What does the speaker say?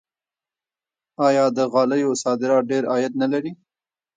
آیا د غالیو صادرات ډیر عاید نلري؟